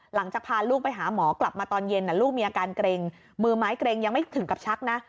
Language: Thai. หลังจากพาลูกไปหาหมอกลับมาตอนเย็นลูกมีอาการเกร็งมือไม้เกร็งยังไม่ถึงกับชักนะ